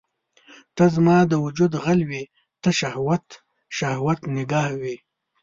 ته زما د وجود غل وې ته شهوت، شهوت نګاه وي